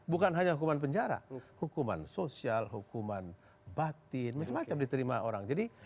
bukan hanya hukuman penjara hukuman sosial hukuman batin macam macam diterima orang